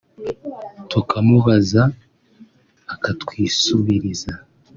tukamubaza akatwisubiriza